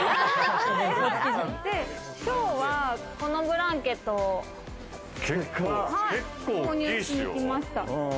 今日はこのブランケットを購入しにきました。